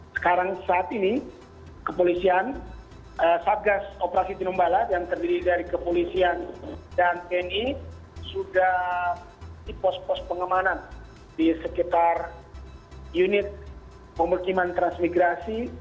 sekarang saat ini kepolisian satgas operasi tinombala yang terdiri dari kepolisian dan tni sudah di pos pos pengamanan di sekitar unit pemukiman transmigrasi